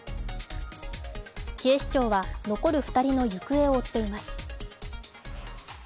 警視庁は残る２人の行方を追っています。